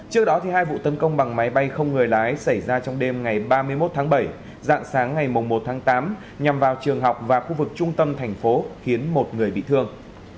trước đó hai vụ tấn công bằng máy bay không người lái xảy ra trong đêm ngày ba mươi một tháng bảy dạng sáng ngày một tháng tám nhằm vào trường học và khu vực trung tâm thành phố khiến một người bị thương